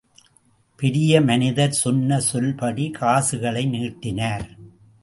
பெரிய மனிதர் சொன்ன சொல்படி காசுகளை நீட்டினார்.